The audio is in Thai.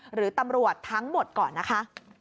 หรือตำรวจทั้งหมดก่อนนะคะ